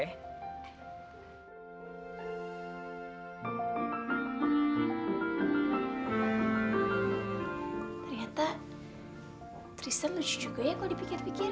ternyata tristan lucu juga ya kalo dipikir pikir